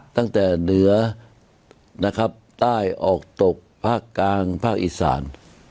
ตั้งแต่เหนือใต้ออกตกพร่างกลางพร่างอิสราน